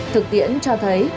thực tiễn cho thấy